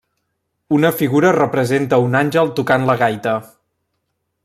Una figura representa a un àngel tocant la gaita.